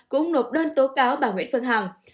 cũng nộp đơn tố cáo bà nguyễn phương hằng